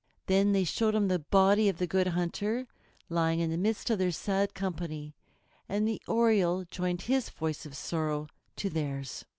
Then they showed him the body of the Good Hunter lying in the midst of their sad company, and the Oriole joined his voice of sorrow to theirs.